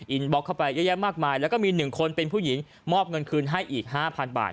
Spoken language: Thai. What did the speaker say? บล็อกเข้าไปเยอะแยะมากมายแล้วก็มี๑คนเป็นผู้หญิงมอบเงินคืนให้อีก๕๐๐บาท